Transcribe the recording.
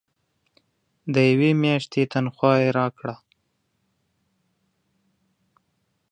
د یوې میاشتي تنخواه یې راکړه.